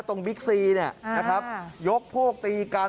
ตรงบิ๊กซีนะครับยกโพกตีกัน